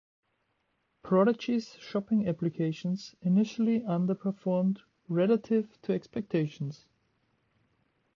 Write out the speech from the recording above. Prodigy's shopping applications initially underperformed relative to expectations.